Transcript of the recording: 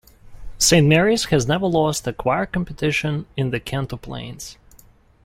Saint Mary's has never lost a choir competition in the Kanto Plains.